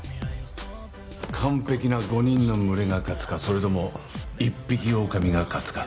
完璧な５人の群れが勝つかそれとも一匹狼が勝つか。